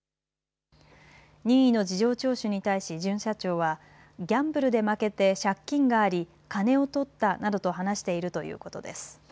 任意の事情聴取に対し巡査長はギャンブルで負けて借金があり金をとったなどと話しているということです。